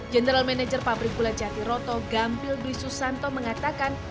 general manager pabrik bulan jatiroto gampil blisu santo mengatakan